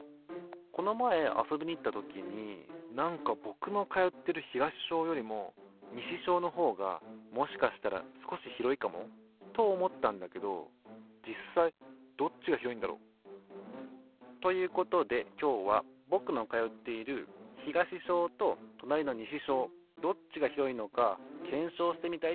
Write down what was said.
この前遊びに行った時になんかぼくの通っている東小よりも西小のほうがもしかしたら少し広いかも？と思ったんだけど実際どっちが広いんだろ？ということで今日はぼくの通っている東小ととなりの西小どっちが広いのか検証してみたいと思います。